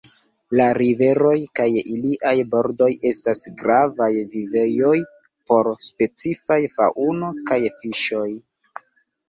La riveroj kaj iliaj bordoj estas gravaj vivejoj por specifaj faŭno kaj fiŝoj.